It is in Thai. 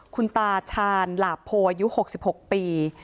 คุณตาชานหลาบโพอายุหกสิบหกปี